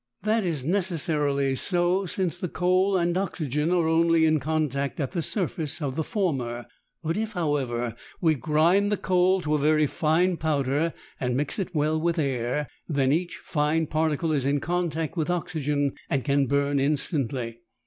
That is necessarily so since the coal and oxygen are only in contact at the surface of the former. If, however, we grind the coal to a very fine powder and mix it well with air, then each fine particle is in contact with oxygen and can burn instantly.